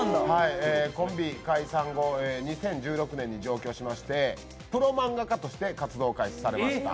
コンビ解散後、２０１６年に上京しましてプロ漫画家として活動開始されました。